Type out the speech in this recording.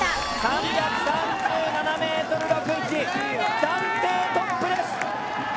３３７．６１ｍ暫定トップです！